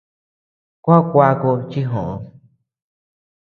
Gua kuaku chi joʼód.